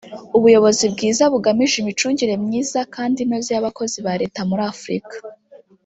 ‘Ubuyobozi Bwiza bugamije Imicungire Myiza kandi inoze y’Abakozi ba Leta muri Afurika’